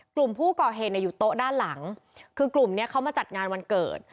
กลุ่มผู้ก่อเหตุเนี่ยอยู่โต๊ะด้านหลังคือกลุ่มนี้เขามาจัดงานวันเกิด